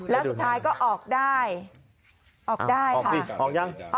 แล้วสุดท้ายก็ออกได้ออกได้ค่ะ